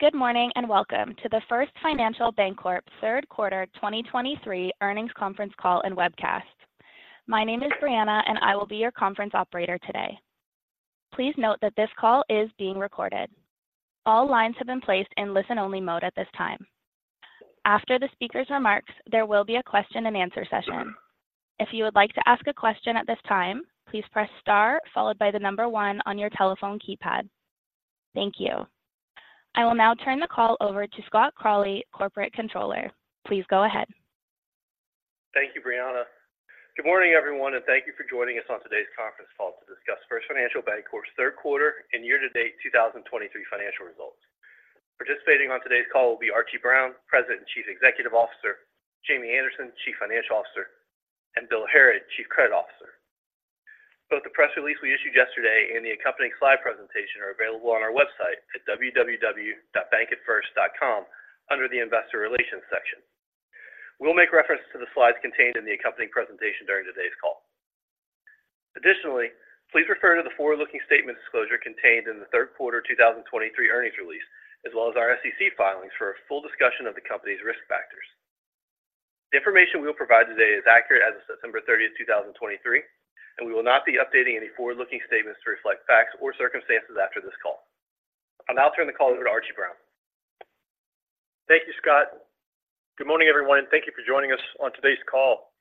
Good morning, and welcome to the First Financial Bancorp Q3 2023 Earnings Conference Call and webcast. My name is Brianna, and I will be your conference operator today. Please note that this call is being recorded. All lines have been placed in listen-only mode at this time. After the speaker's remarks, there will be a Q&A session. If you would like to ask a question at this time, please press star followed by the number one on your telephone keypad. Thank you. I will now turn the call over to Scott Crawley, Corporate Controller. Please go ahead. Thank you, Brianna. Good morning, everyone, and thank you for joining us on today's conference call to discuss First Financial Bancorp's Q3 and year-to-date 2023 financial results. Participating on today's call will be Archie Brown, President and Chief Executive Officer, Jamie Anderson, Chief Financial Officer, and Bill Harrod, Chief Credit Officer. Both the press release we issued yesterday and the accompanying slide presentation are available on our website at www.bankatfirst.com under the Investor Relations section. We'll make reference to the slides contained in the accompanying presentation during today's call. Additionally, please refer to the forward-looking statement disclosure contained in the Q3 2023 earnings release, as well as our SEC filings for a full discussion of the company's risk factors. The information we will provide today is accurate as of September 30, 2023, and we will not be updating any forward-looking statements to reflect facts or circumstances after this call. I'll now turn the call over to Archie Brown. Thank you, Scott. Good morning, everyone, and thank you for joining us on today's call.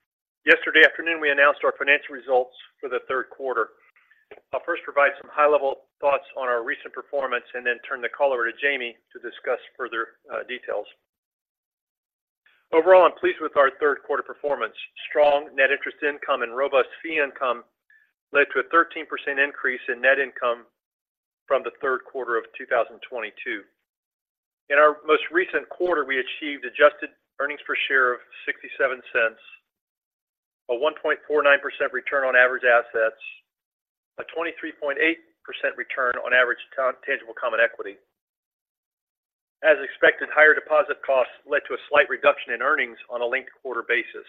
Yesterday afternoon, we announced our financial results for the Q3. I'll first provide some high-level thoughts on our recent performance and then turn the call over to Jamie to discuss further details. Overall, I'm pleased with our Q3 performance. Strong net interest income and robust fee income led to a 13% increase in net income from the Q3 of 2022. In our most recent quarter, we achieved adjusted earnings per share of $0.67, a 1.49% return on average assets, a 23.8% return on average tangible common equity. As expected, higher deposit costs led to a slight reduction in earnings on a linked quarter basis.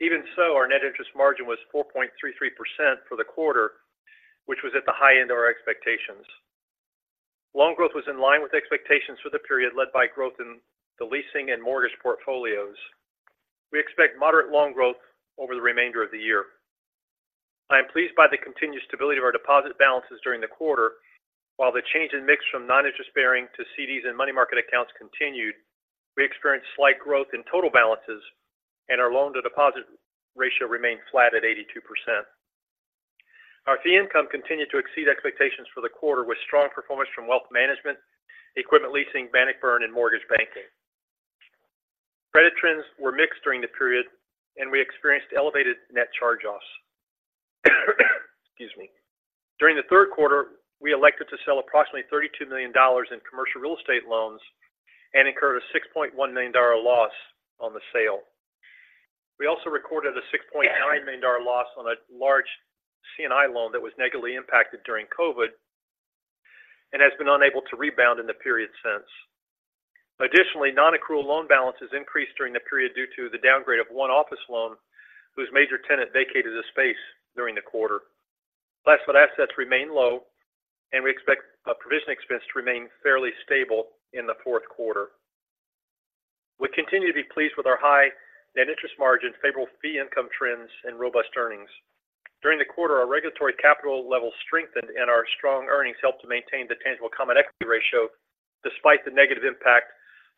Even so, our net interest margin was 4.33% for the quarter, which was at the high end of our expectations. Loan growth was in line with expectations for the period led by growth in the leasing and mortgage portfolios. We expect moderate loan growth over the remainder of the year. I am pleased by the continued stability of our deposit balances during the quarter. While the change in mix from non-interest bearing to CDs and money market accounts continued, we experienced slight growth in total balances, and our loan-to-deposit ratio remained flat at 82%. Our fee income continued to exceed expectations for the quarter, with strong performance from Wealth management, Equipment leasing, Bannockburn, and Mortgage banking. Credit trends were mixed during the period, and we experienced elevated net charge-offs. Excuse me. During the Q3, we elected to sell approximately $32 million in commercial real estate loans and incurred a $6.1 million loss on the sale. We also recorded a $6.9 million loss on a large C&I loan that was negatively impacted during COVID and has been unable to rebound in the period since. Additionally, non-accrual loan balances increased during the period due to the downgrade of one office loan, whose major tenant vacated the space during the quarter. Classified assets remain low, and we expect provision expense to remain fairly stable in the Q4. We continue to be pleased with our high net interest margin, favorable fee income trends and robust earnings. During the quarter, our regulatory capital level strengthened and our strong earnings helped to maintain the tangible common equity ratio, despite the negative impact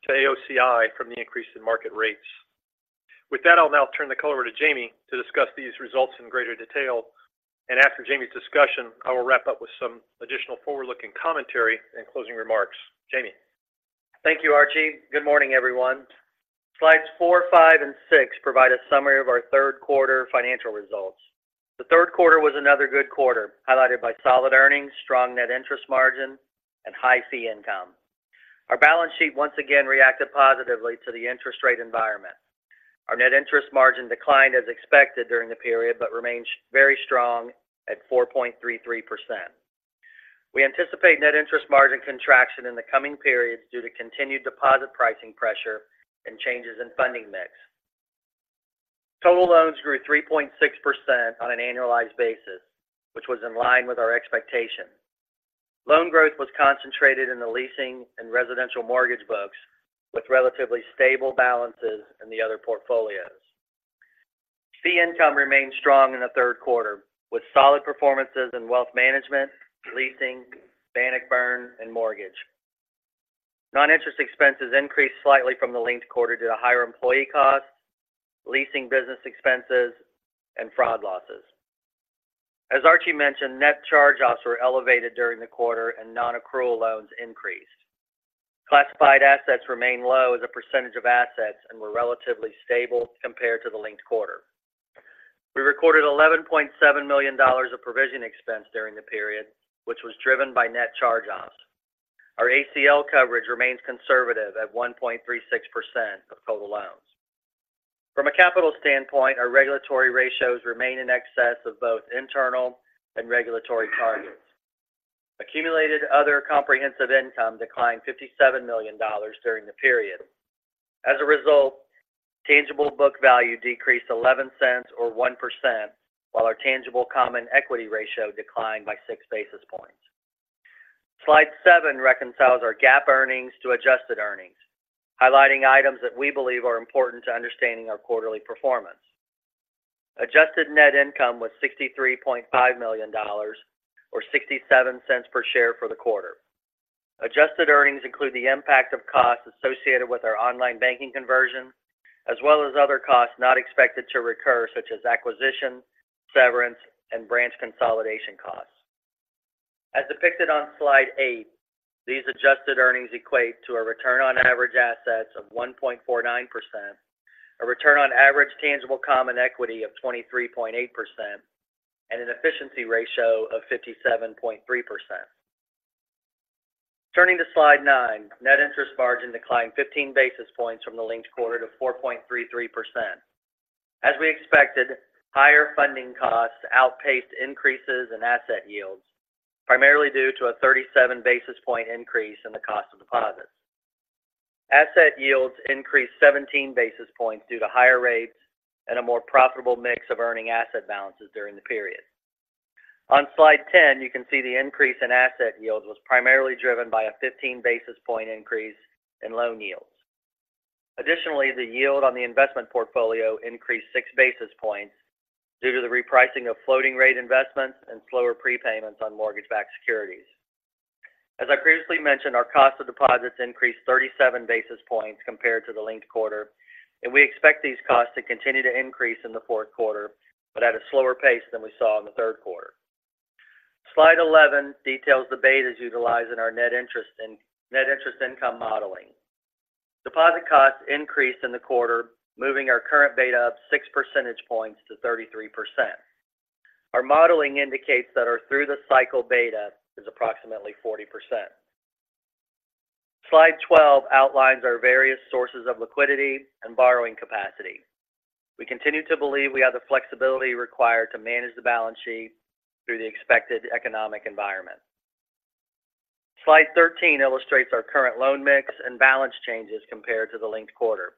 to AOCI from the increase in market rates. With that, I'll now turn the call over to Jamie to discuss these results in greater detail, and after Jamie's discussion, I will wrap up with some additional forward-looking commentary and closing remarks. Jamie? Thank you, Archie. Good morning, everyone. Slides four, five, and six provide a summary of our Q3 financial results. The Q3 was another good quarter, highlighted by solid earnings, strong net interest margin, and high fee income. Our balance sheet once again reacted positively to the interest rate environment. Our net interest margin declined as expected during the period, but remains very strong at 4.33%. We anticipate net interest margin contraction in the coming periods due to continued deposit pricing pressure and changes in funding mix. Total loans grew 3.6% on an annualized basis, which was in line with our expectations. Loan growth was concentrated in the leasing and residential mortgage books, with relatively stable balances in the other portfolios. Fee income remained strong in the Q3, with solid performances in Wealth management, Leasing, Bannockburn, and Mortgage. Non-interest expenses increased slightly from the linked quarter due to higher employee costs, leasing business expenses, and fraud losses. As Archie mentioned, net charge-offs were elevated during the quarter, and non-accrual loans increased. Classified assets remained low as a percentage of assets and were relatively stable compared to the linked quarter. We recorded $11.7 million of provision expense during the period, which was driven by net charge-offs. Our ACL coverage remains conservative at 1.36% of total loans. From a capital standpoint, our regulatory ratios remain in excess of both internal and regulatory targets. Accumulated other comprehensive income declined $57 million during the period. As a result, tangible book value decreased $0.11 or 1%, while our tangible common equity ratio declined by 6 basis points. Slide seven reconciles our GAAP earnings to adjusted earnings, highlighting items that we believe are important to understanding our quarterly performance. Adjusted net income was $63.5 million or $0.67 per share for the quarter. Adjusted earnings include the impact of costs associated with our online banking conversion, as well as other costs not expected to recur, such as acquisition, severance, and branch consolidation costs. As depicted on Slide eight, these adjusted earnings equate to a return on average assets of 1.49%, a return on average tangible common equity of 23.8%, and an efficiency ratio of 57.3%. Turning to Slide nine, net interest margin declined 15 basis points from the linked quarter to 4.33%. As we expected, higher funding costs outpaced increases in asset yields, primarily due to a 37 basis point increase in the cost of deposits. Asset yields increased 17 basis points due to higher rates and a more profitable mix of earning asset balances during the period. On Slide 10, you can see the increase in asset yields was primarily driven by a 15 basis point increase in loan yields. Additionally, the yield on the investment portfolio increased 6 basis points due to the repricing of floating rate investments and slower prepayments on mortgage-backed securities. As I previously mentioned, our cost of deposits increased 37 basis points compared to the linked quarter, and we expect these costs to continue to increase in the Q4, but at a slower pace than we saw in the Q3. Slide 11 details the betas utilized in our net interest income modeling. Deposit costs increased in the quarter, moving our current beta up 6 percentage points to 33%. Our modeling indicates that our through-the-cycle beta is approximately 40%. Slide 12 outlines our various sources of liquidity and borrowing capacity. We continue to believe we have the flexibility required to manage the balance sheet through the expected economic environment. Slide 13 illustrates our current loan mix and balance changes compared to the linked quarter.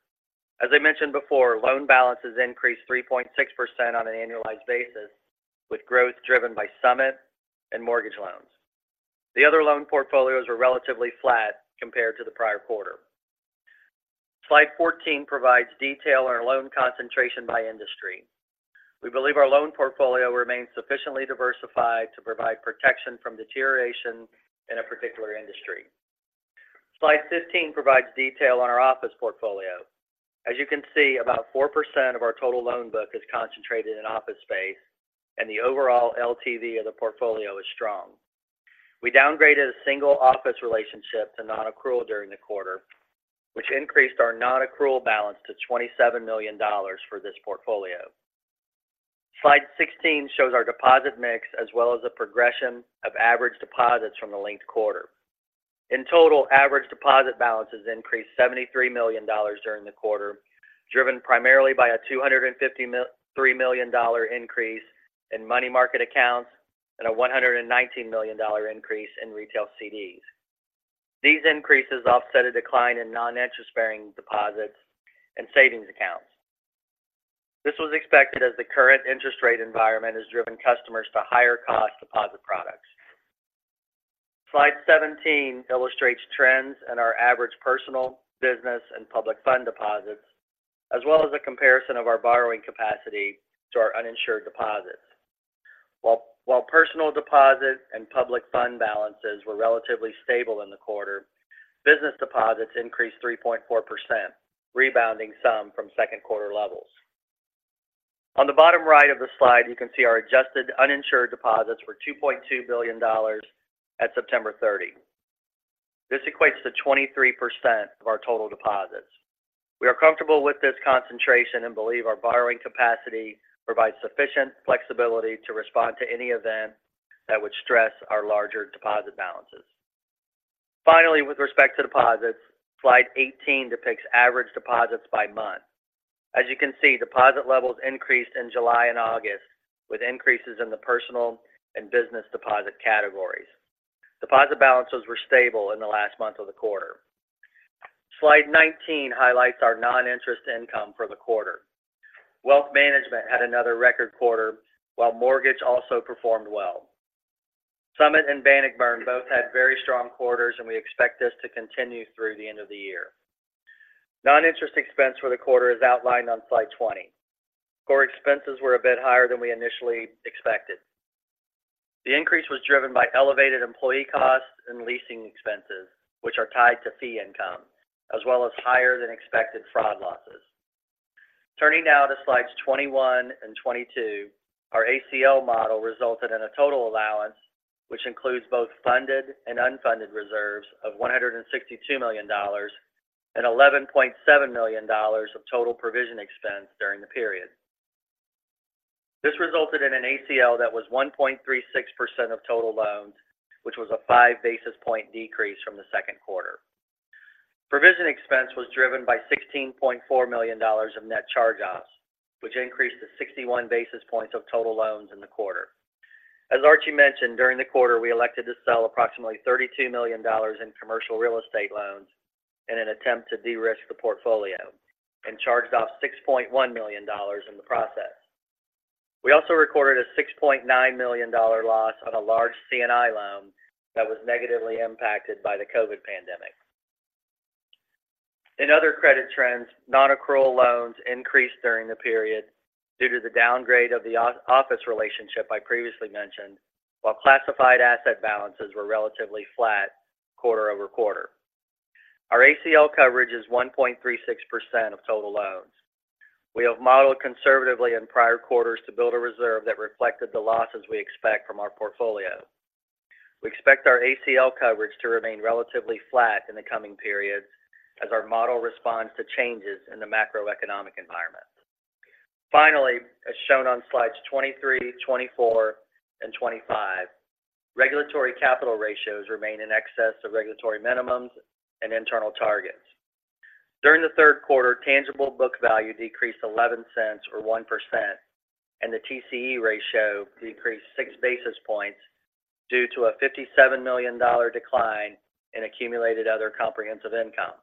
As I mentioned before, loan balances increased 3.6% on an annualized basis, with growth driven by Summit and mortgage loans. The other loan portfolios were relatively flat compared to the prior quarter. Slide 14 provides detail on our loan concentration by industry. We believe our loan portfolio remains sufficiently diversified to provide protection from deterioration in a particular industry. Slide 15 provides detail on our office portfolio. As you can see, about 4% of our total loan book is concentrated in office space, and the overall LTV of the portfolio is strong. We downgraded a single office relationship to nonaccrual during the quarter, which increased our nonaccrual balance to $27 million for this portfolio. Slide 16 shows our deposit mix, as well as the progression of average deposits from the linked quarter. In total, average deposit balances increased $73 million during the quarter, driven primarily by a $253 million increase in money market accounts and a $119 million increase in retail CDs. These increases offset a decline in non-interest-bearing deposits and savings accounts. This was expected as the current interest rate environment has driven customers to higher cost deposit products. Slide 17 illustrates trends in our average personal, business, and public fund deposits, as well as a comparison of our borrowing capacity to our uninsured deposits. While personal deposits and public fund balances were relatively stable in the quarter, business deposits increased 3.4%, rebounding some from Q2 levels. On the bottom right of the slide, you can see our adjusted uninsured deposits were $2.2 billion at September 30. This equates to 23% of our total deposits. We are comfortable with this concentration and believe our borrowing capacity provides sufficient flexibility to respond to any event that would stress our larger deposit balances. Finally, with respect to deposits, Slide 18 depicts average deposits by month. As you can see, deposit levels increased in July and August, with increases in the personal and business deposit categories. Deposit balances were stable in the last month of the quarter. Slide 19 highlights our non-interest income for the quarter. Wealth management had another record quarter, while mortgage also performed well. Summit and Bannockburn both had very strong quarters, and we expect this to continue through the end of the year. Non-interest expense for the quarter is outlined on Slide 20. Core expenses were a bit higher than we initially expected. The increase was driven by elevated employee costs and leasing expenses, which are tied to fee income, as well as higher-than-expected fraud losses. Turning now to Slides 21 and 22, our ACL model resulted in a total allowance, which includes both funded and unfunded reserves of $162 million and $11.7 million of total provision expense during the period. This resulted in an ACL that was 1.36% of total loans, which was a 5 basis point decrease from the Q2. Provision expense was driven by $16.4 million of net charge-offs, which increased to 61 basis points of total loans in the quarter. As Archie mentioned, during the quarter, we elected to sell approximately $32 million in commercial real estate loans in an attempt to de-risk the portfolio and charged off $6.1 million in the process. We also recorded a $6.9 million loss on a large C&I loan that was negatively impacted by the COVID pandemic. In other credit trends, nonaccrual loans increased during the period due to the downgrade of the office relationship I previously mentioned, while classified asset balances were relatively flat quarter-over-quarter. Our ACL coverage is 1.36% of total loans. We have modeled conservatively in prior quarters to build a reserve that reflected the losses we expect from our portfolio. We expect our ACL coverage to remain relatively flat in the coming periods as our model responds to changes in the macroeconomic environment. Finally, as shown on slides 23, 24, and 25, regulatory capital ratios remain in excess of regulatory minimums and internal targets. During the Q3, tangible book value decreased $0.11 or 1%, and the TCE ratio decreased six basis points due to a $57 million decline in accumulated other comprehensive income.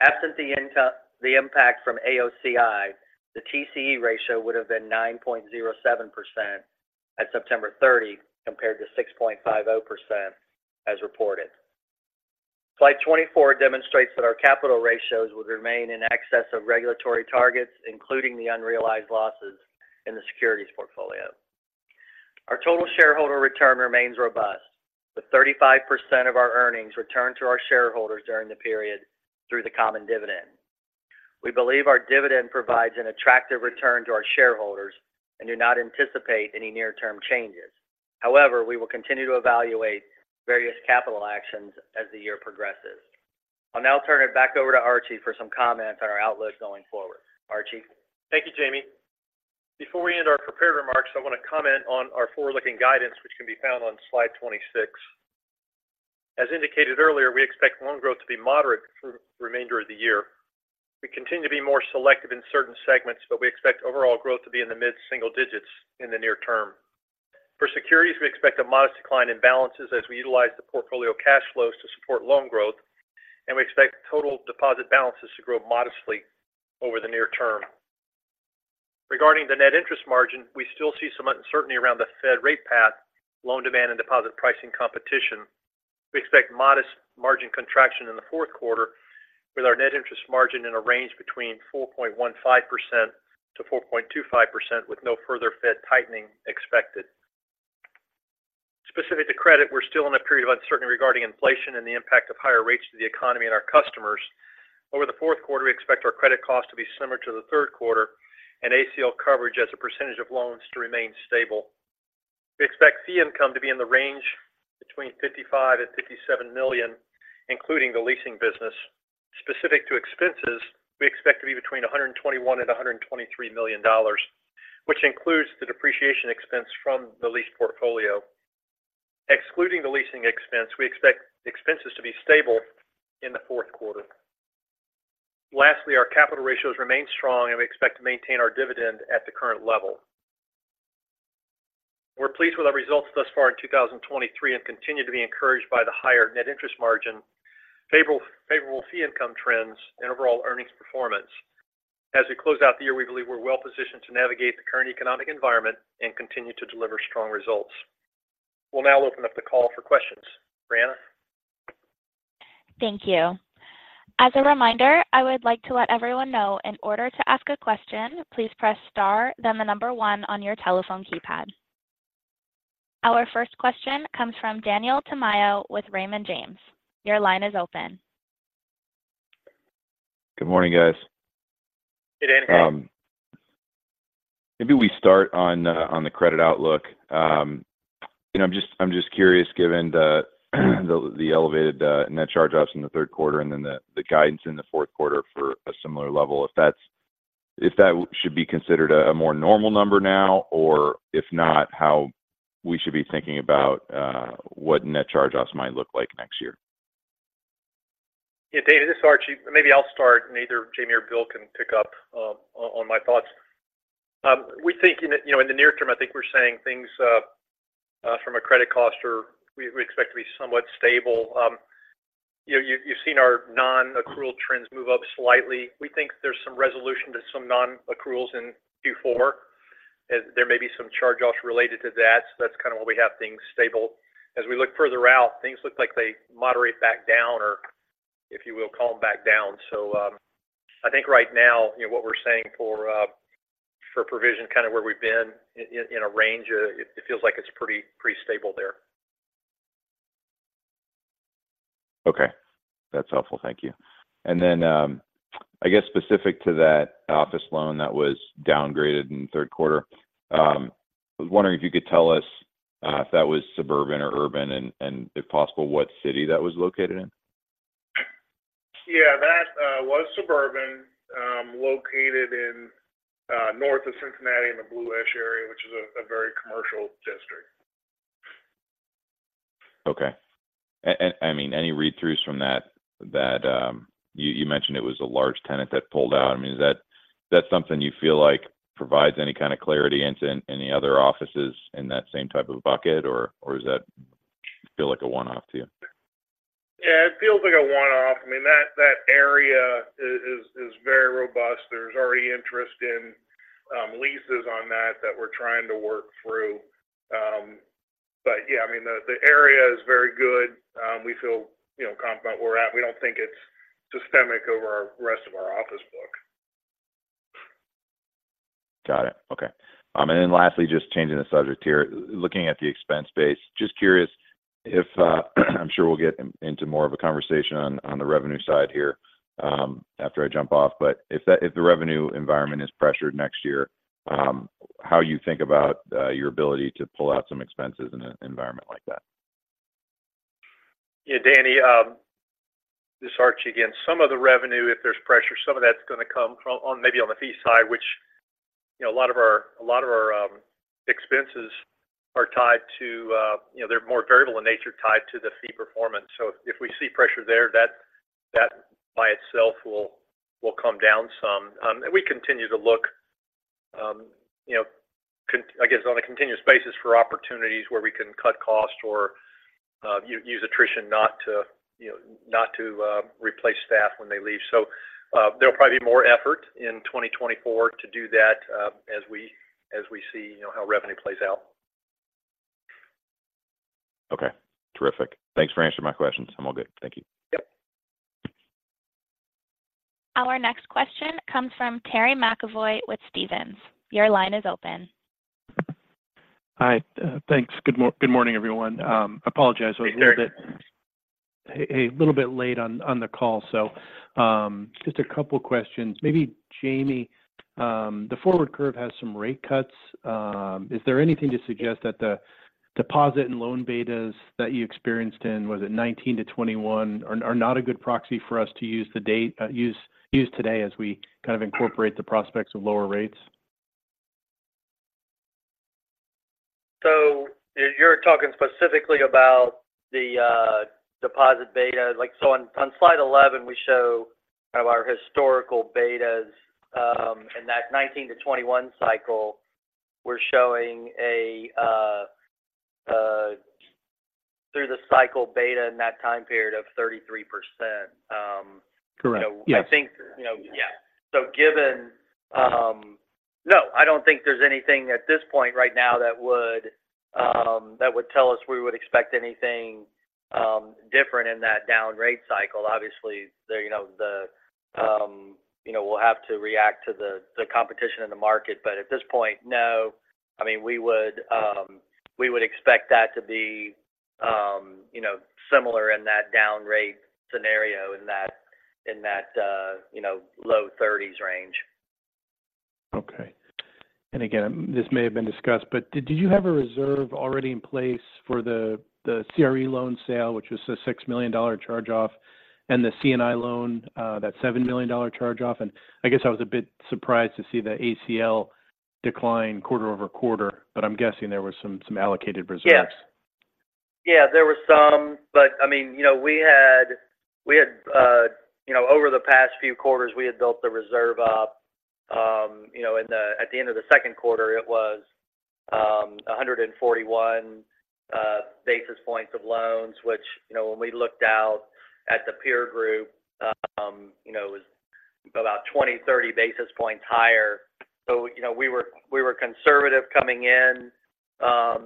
Absent the impact from AOCI, the TCE ratio would have been 9.07% at September 30, compared to 6.50% as reported. Slide 24 demonstrates that our capital ratios would remain in excess of regulatory targets, including the unrealized losses in the securities portfolio. Our total shareholder return remains robust, with 35% of our earnings returned to our shareholders during the period through the common dividend. We believe our dividend provides an attractive return to our shareholders and do not anticipate any near-term changes. However, we will continue to evaluate various capital actions as the year progresses. I'll now turn it back over to Archie for some comments on our outlook going forward. Archie? Thank you, Jamie. Before we end our prepared remarks, I want to comment on our forward-looking guidance, which can be found on slide 26. As indicated earlier, we expect loan growth to be moderate through the remainder of the year. We continue to be more selective in certain segments, but we expect overall growth to be in the mid-single digits in the near term. For securities, we expect a modest decline in balances as we utilize the portfolio cash flows to support loan growth, and we expect total deposit balances to grow modestly over the near term. Regarding the net interest margin, we still see some uncertainty around the Fed rate path, loan demand, and deposit pricing competition. We expect modest margin contraction in the Q4, with our net interest margin in a range between 4.15% to 4.25%, with no further Fed tightening expected. Specific to credit, we're still in a period of uncertainty regarding inflation and the impact of higher rates to the economy and our customers. Over the Q4, we expect our credit costs to be similar to the Q3 and ACL coverage as a percentage of loans to remain stable. We expect fee income to be in the range between $55 million and $57 million, including the leasing business. Specific to expenses, we expect to be between $121 million and $123 million, which includes the depreciation expense from the lease portfolio. Excluding the leasing expense, we expect expenses to be stable in the Q4. Lastly, our capital ratios remain strong, and we expect to maintain our dividend at the current level. We're pleased with our results thus far in 2023 and continue to be encouraged by the higher net interest margin, favorable fee income trends, and overall earnings performance. As we close out the year, we believe we're well positioned to navigate the current economic environment and continue to deliver strong results. We'll now open up the call for questions. Brianna? Thank you. As a reminder, I would like to let everyone know, in order to ask a question, please press star, then 1 on your telephone keypad. Our first question comes from Daniel Tamayo with Raymond James. Your line is open. Good morning, guys. Good day. Maybe we start on the credit outlook. You know, I'm just curious, given the elevated net charge-offs in the Q3 and then the guidance in the Q4 for a similar level, if that should be considered a more normal number now, or if not, how we should be thinking about what net charge-offs might look like next year? Yeah, David, this is Archie. Maybe I'll start, and either Jamie or Bill can pick up on my thoughts. We think in the, you know, in the near term, I think we're saying things from a credit cost are we expect to be somewhat stable. You've seen our non-accrual trends move up slightly. We think there's some resolution to some non-accruals in Q4, as there may be some charge-offs related to that. So that's kind of why we have things stable. As we look further out, things look like they moderate back down, or if you will, calm back down. So I think right now, you know, what we're saying for provision, kind of where we've been in a range, it feels like it's pretty stable there. Okay. That's helpful. Thank you. And then, I guess specific to that office loan that was downgraded in the Q3, I was wondering if you could tell us, if that was suburban or urban and, and if possible, what city that was located in? Yeah, that was suburban, located north of Cincinnati in the Blue Ash area, which is a very commercial district. Okay. And I mean, any read-throughs from that that you mentioned it was a large tenant that pulled out. I mean, is that something you feel like provides any kind of clarity into any other offices in that same type of bucket, or does that feel like a one-off to you? Yeah, it feels like a one-off. I mean, that area is very robust. There's already interest in leases on that that we're trying to work through. But yeah, I mean, the area is very good. We feel, you know, confident where we're at. We don't think it's systemic over our rest of our office book. Got it. Okay. And then lastly, just changing the subject here, looking at the expense base. Just curious if I'm sure we'll get into more of a conversation on the revenue side here after I jump off, but if the revenue environment is pressured next year, how you think about your ability to pull out some expenses in an environment like that? Yeah, Danny, this is Archie again. Some of the revenue, if there's pressure, some of that's going to come from maybe on the fee side, which, you know, a lot of our expenses are tied to, you know, they're more variable in nature, tied to the fee performance. So if we see pressure there, that by itself will come down some. And we continue to look, you know, I guess, on a continuous basis for opportunities where we can cut costs or use attrition not to, you know, not to replace staff when they leave. So there'll probably be more effort in 2024 to do that, as we see, you know, how revenue plays out. Okay. Terrific. Thanks for answering my questions. I'm all good. Thank you. Yep. Our next question comes from Terry McEvoy with Stephens. Your line is open. Hi. Thanks. Good morning, everyone. Apologize- Hey, Terry I was a little bit late on the call. So, just a couple questions. Maybe Jamie, the forward curve has some rate cuts. Is there anything to suggest that the deposit and loan betas that you experienced in, was it 2019 to 2021, are not a good proxy for us to use today as we kind of incorporate the prospects of lower rates? So you're talking specifically about the deposit beta. Like, so on slide 11, we show kind of our historical betas. And that 19 to 21 cycle, we're showing a through the cycle beta in that time period of 33%. Correct. Yes. I think, you know. Yeah. So given, no, I don't think there's anything at this point right now that would, that would tell us we would expect anything different in that down rate cycle. Obviously, the, you know, the, you know, we'll have to react to the, the competition in the market, but at this point, no. I mean, we would, we would expect that to be, you know, similar in that down rate scenario in that, in that, you know, low thirties range. Okay. And again, this may have been discussed, but did you have a reserve already in place for the CRE loan sale, which was a $6 million charge-off, and the C&I loan that $7 million charge-off? And I guess I was a bit surprised to see the ACL decline quarter-over-quarter, but I'm guessing there were some allocated reserves. Yeah. Yeah, there were some, but I mean, you know, we had we had, you know, over the past few quarters, we had built the reserve up. You know, in the, at the end of the Q2, it was 141 basis points of loans, which, you know, when we looked out at the peer group, you know, it was about 20, 30 basis points higher. So, you know, we were, we were conservative coming in,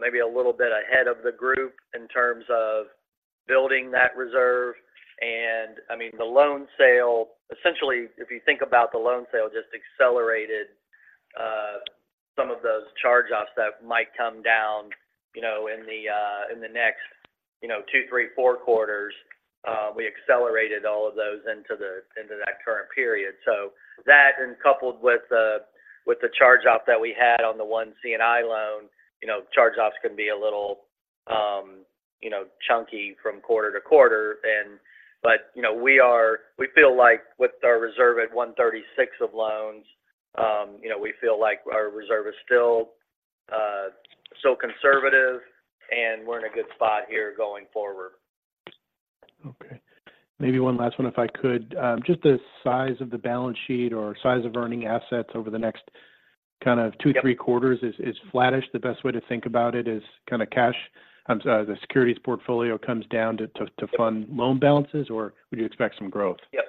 maybe a little bit ahead of the group in terms of building that reserve. And I mean, the loan sale, essentially, if you think about the loan sale, just accelerated some of those charge-offs that might come down, you know, in the in the next, you know, two, three, four quarters. We accelerated all of those into the into that current period. So that and coupled with the, with the charge-off that we had on the one C&I loan, you know, charge-offs can be a little, you know, chunky from quarter-to-quarter. But, you know, we feel like with our reserve at 1.36% of loans, you know, we feel like our reserve is still, still conservative, and we're in a good spot here going forward. Okay, maybe one last one, if I could. Just the size of the balance sheet or size of earning assets over the next kind of two, Yep three quarters is flattish. The best way to think about it is kind of cash, sorry, the securities portfolio comes down to fund loan balances, or would you expect some growth? Yep.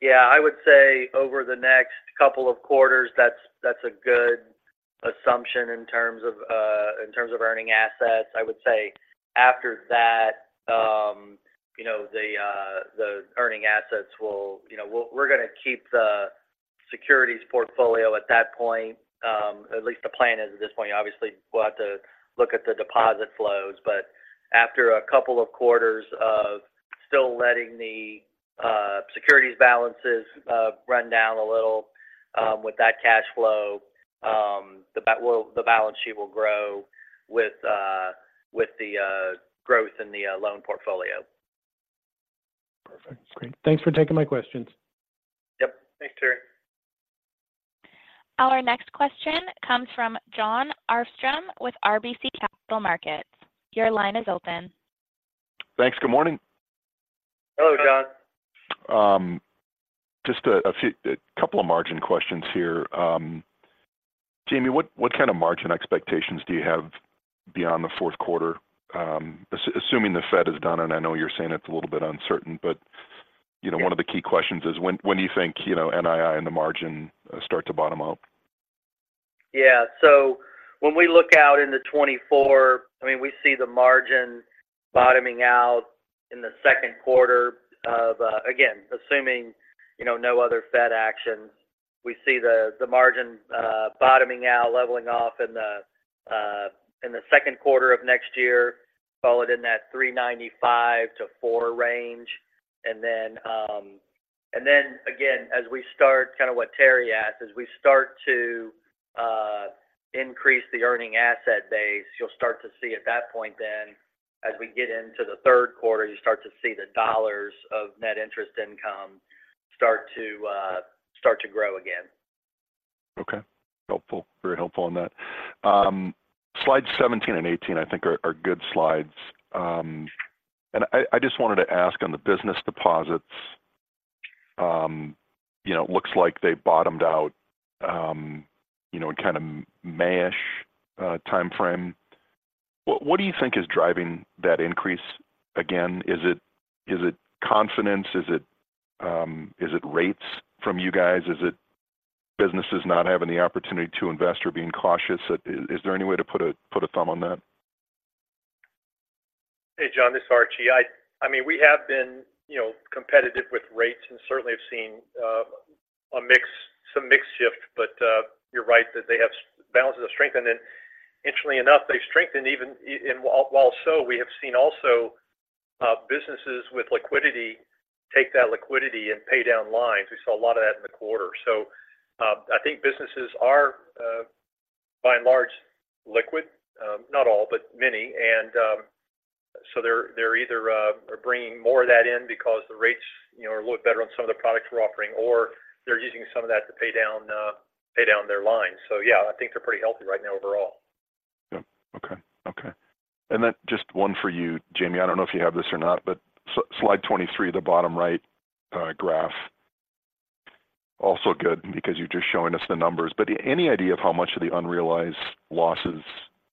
Yeah, I would say over the next couple of quarters, that's a good assumption in terms of earning assets. I would say after that, you know, the earning assets will, you know, we're going to keep the securities portfolio at that point, at least the plan is at this point. Obviously, we'll have to look at the deposit flows, but after a couple of quarters of still letting the securities balances run down a little, with that cash flow, the balance sheet will grow with the growth in the loan portfolio. Perfect. Great. Thanks for taking my questions. Our next question comes from Jon Arfstrom with RBC Capital Markets. Your line is open. Thanks. Good morning. Hello, Jon. Just a couple of margin questions here. Jamie, what kind of margin expectations do you have beyond the Q4? Assuming the Fed is done, and I know you're saying it's a little bit uncertain, but, you know- Yeah One of the key questions is when, when do you think, you know, NII and the margin start to bottom out? Yeah. So when we look out into 2024, I mean, we see the margin bottoming out in the Q2 of, again, assuming, you know, no other Fed actions. We see the, the margin, bottoming out, leveling off in the, in the Q2 of next year, call it in that 3.95% to 4% range. And then, and then again, as we start, kind of what Terry asked, as we start to, increase the earning asset base, you'll start to see at that point then, as we get into the Q3, you start to see the dollars of net interest income start to, start to grow again. Okay. Helpful. Very helpful on that. Slides 17 and 18, I think are good slides. And I just wanted to ask on the business deposits, you know, it looks like they've bottomed out, you know, in kind of May-ish timeframe. What do you think is driving that increase again? Is it confidence? Is it rates from you guys? Is it businesses not having the opportunity to invest or being cautious? Is there any way to put a thumb on that? Hey, Jon, this is Archie. I mean, we have been, you know, competitive with rates and certainly have seen some mix shift, but you're right, that they have balances of strength. And then interestingly enough, they've strengthened even in and while so, we have seen also businesses with liquidity take that liquidity and pay down lines. We saw a lot of that in the quarter. So, I think businesses are by and large, liquid. Not all, but many. And so they're either are bringing more of that in because the rates, you know, are a little better on some of the products we're offering, or they're using some of that to pay down pay down their lines. So yeah, I think they're pretty healthy right now overall. Yeah. Okay. Okay. And then just one for you, Jamie. I don't know if you have this or not, but slide 23, the bottom right graph, also good because you're just showing us the numbers. But any idea of how much of the unrealized losses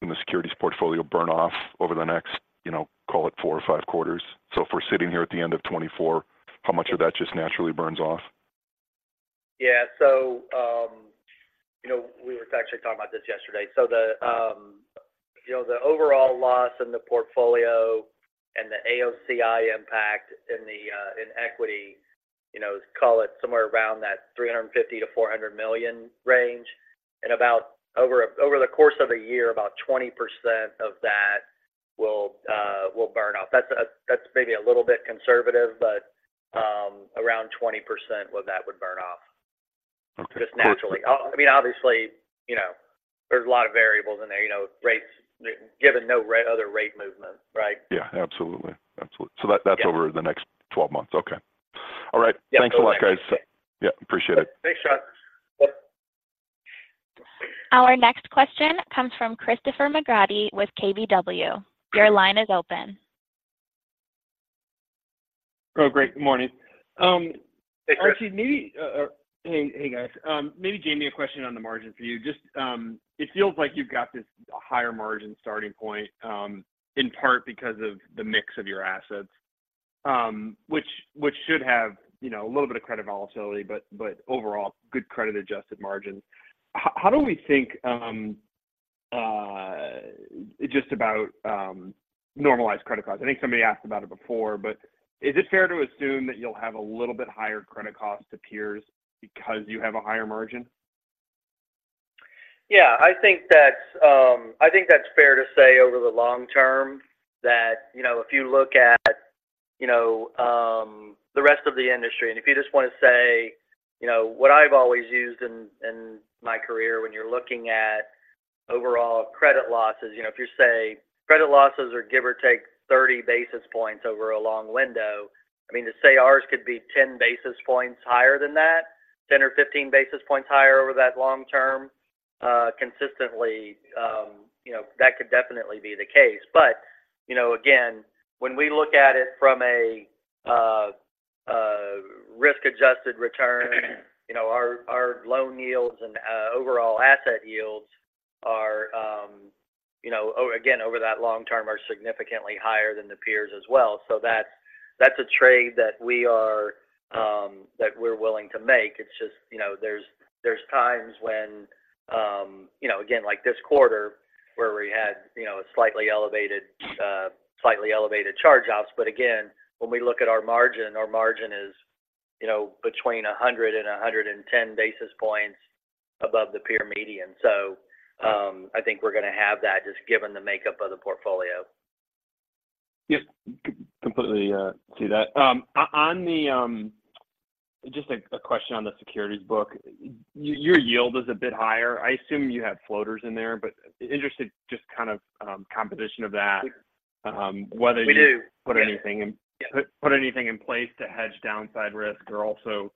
in the securities portfolio burn off over the next, you know, call it 4 or 5 quarters? So if we're sitting here at the end of 2024, how much of that just naturally burns off? Yeah. So, you know, we were actually talking about this yesterday. So the, you know, the overall loss in the portfolio and the AOCI impact in the, in equity, you know, call it somewhere around that $350 million to 400 million range. And about over the course of a year, about 20% of that will burn off. That's maybe a little bit conservative, but, around 20% of that would burn off. Okay. Just naturally. I mean, obviously, you know, there's a lot of variables in there, you know, rates, given no other rate movement, right? Yeah, absolutely. Absolutely. Yeah. So that, that's over the next 12 months. Okay. All right. Yeah. Thanks a lot, guys. Yeah, appreciate it. Thanks, Jon. Yep. Our next question comes from Christopher McGratty with KBW. Your line is open. Oh, great. Good morning. Hey, Chris. Archie, maybe. Hey, hey, guys. Maybe Jamie, a question on the margin for you. Just, it feels like you've got this higher margin starting point, in part because of the mix of your assets, which, which should have, you know, a little bit of credit volatility, but, but overall, good credit-adjusted margins. How do we think, just about, normalized credit costs? I think somebody asked about it before, but is it fair to assume that you'll have a little bit higher credit cost to peers because you have a higher margin? Yeah, I think that's, I think that's fair to say over the long term, that, you know, if you look at, you know, the rest of the industry, and if you just want to say, you know, what I've always used in my career when you're looking at overall credit losses, you know, if you say credit losses are give or take 30 basis points over a long window, I mean, to say ours could be 10 basis points higher than that, 10 or 15 basis points higher over that long term, consistently, you know, that could definitely be the case. But, you know, again, when we look at it from a risk-adjusted return, you know, our loan yields and overall asset yields are, you know, again, over that long term, are significantly higher than the peers as well. So that's, that's a trade that we are, that we're willing to make. It's just, you know, there's, there's times when, you know, again, like this quarter, where we had, you know, a slightly elevated, slightly elevated charge-offs. But again, when we look at our margin, our margin is, you know, between 100 and 110 basis points above the peer median. So, I think we're going to have that just given the makeup of the portfolio. Yep. Completely, see that. On the, just a question on the securities book. Your yield is a bit higher. I assume you have floaters in there, but interested just kind of composition of that, whether you We do. put anything in place to hedge downside risk or also,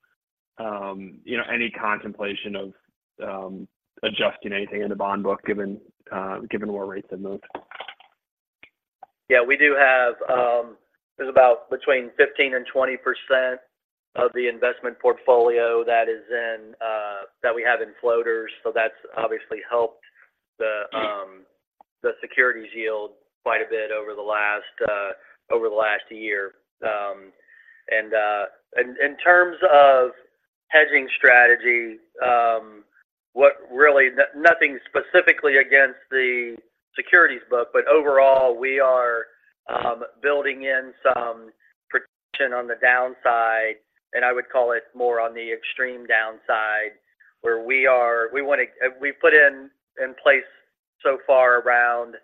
you know, any contemplation of adjusting anything in the bond book, given where rates have moved? Yeah, we do have, there's about between 15% and 20% of the investment portfolio that is in, that we have in floaters, so that's obviously helped the, the securities yield quite a bit over the last, over the last year. And in terms of hedging strategy, nothing specifically against the securities book, but overall, we are building in some protection on the downside, and I would call it more on the extreme downside, where we want to, we've put in place so far around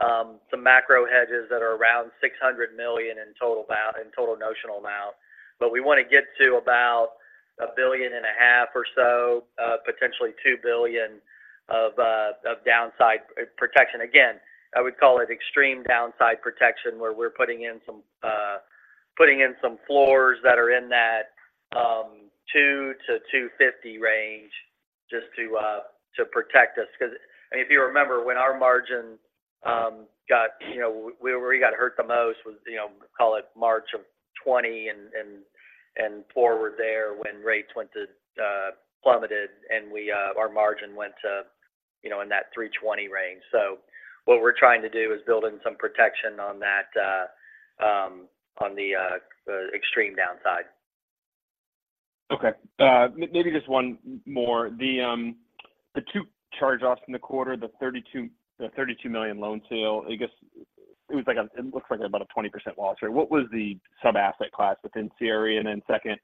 some macro hedges that are around $600 million in total amount, in total notional amount. But we want to get to about $1.5 billion or so, potentially $2 billion of downside protection. Again, I would call it extreme downside protection, where we're putting in some floors that are in that 2 to 2.50 range just to protect us. Because if you remember, when our margin got you know where we got hurt the most was you know call it March of 2020 and forward there, when rates plummeted, and we our margin went to you know in that 3.20 range. So what we're trying to do is build in some protection on that on the extreme downside. Okay. Maybe just one more. The two charge-offs in the quarter, the $32 million loan sale, I guess it was like a, it looks like about a 20% loss rate. What was the sub-asset class within CRE? And then second,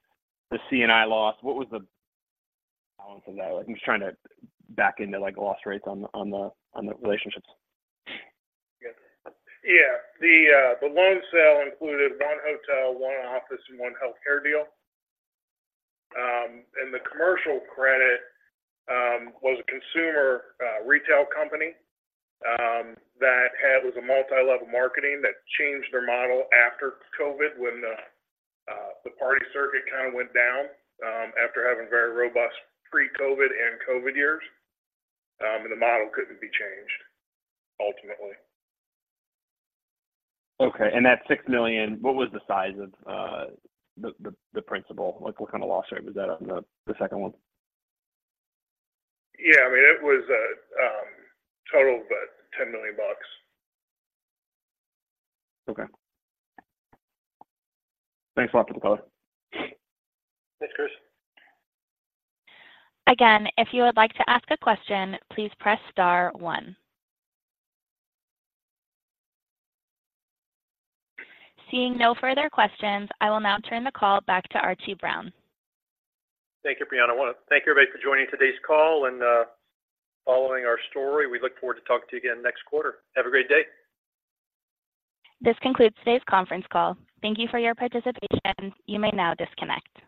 the C&I loss, what was the balance of that like? I'm just trying to back into, like, loss rates on the, on the, on the relationships. Yeah. Yeah, the loan sale included one hotel, one office, and one healthcare deal. And the commercial credit was a consumer retail company that had, was a multi-level marketing that changed their model after COVID, when the party circuit kind of went down, after having very robust pre-COVID and COVID years. And the model couldn't be changed, ultimately. Okay. And that $6 million, what was the size of the principal? Like, what kind of loss rate was that on the second one? Yeah, I mean, it was a total of about $10 million. Okay. Thanks a lot for the color. Thanks, Chris. Again, if you would like to ask a question, please press star one. Seeing no further questions, I will now turn the call back to Archie Brown. Thank you, Brianna. I want to thank everybody for joining today's call and, following our story. We look forward to talking to you again next quarter. Have a great day. This concludes today's conference call. Thank you for your participation. You may now disconnect.